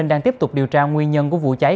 đang tiếp tục điều tra nguyên nhân của vụ cháy